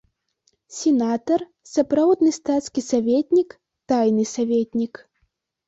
Сенатар, сапраўдны стацкі саветнік, тайны саветнік.